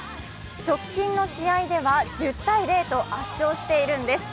直近の試合では１０−０と圧勝しているんです。